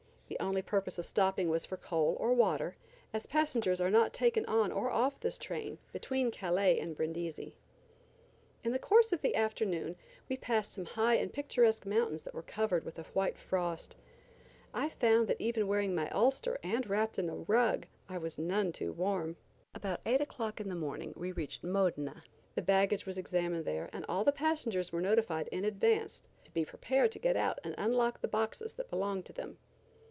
The only purpose of stopping was for coal or water, as passengers are not taken on or off this train between Calais and Brindisi. In the course of the afternoon we passed some high and picturesque mountains that were covered with a white frost. I found that even wearing my ulster and wrapped in a rug I was none too warm. About eight o'clock in the morning we reached Modena. The baggage was examined there and all the passengers were notified in advance to be prepared to get out and unlock the boxes that belonged to them.